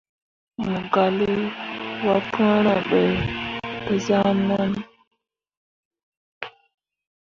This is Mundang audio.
Me gah lii wapǝǝre ɓe te zah nen.